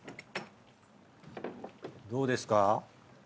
どうですか？